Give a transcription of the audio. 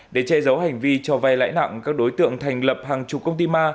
để che giấu hành vi cho vay lãi nặng các đối tượng thành lập hàng chục công ty ma